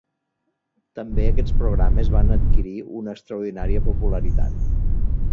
També aquests programes van adquirir una extraordinària popularitat.